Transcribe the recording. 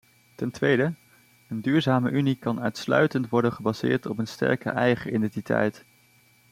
Ten tweede: een duurzame unie kan uitsluitend worden gebaseerd op een sterke eigen identiteit.